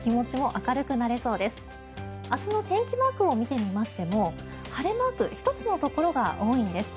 明日の天気マークを見てみましても晴れマーク１つのところが多いんです。